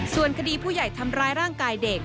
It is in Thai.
ส่วนคดีผู้ใหญ่ทำร้ายร่างกายเด็ก